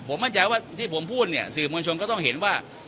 ผมมั่นใจว่าที่ผมพูดเนี่ยสื่อมวลชนก็ต้องเห็นว่า